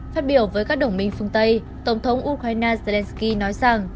phát biểu với các đồng minh phương tây tổng thống ukraine zelensky nói rằng